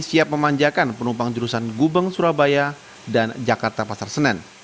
siap memanjakan penumpang jurusan gubeng surabaya dan jakarta pasar senen